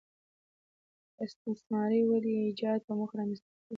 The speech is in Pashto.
د استثماري ودې ایجاد په موخه رامنځته کوي